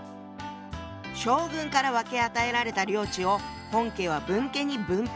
将軍から分け与えられた領地を本家は分家に分配。